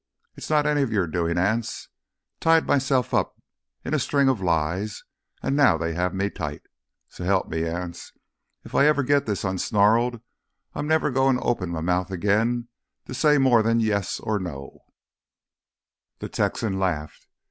"It's not any of your doin', Anse. Tied myself up in a string of lies and now they have me tight. So help me, Anse, if I ever get this unsnarled, I'm never goin' to open my mouth again to say more'n 'yes' or 'no'!" The Texan laughed.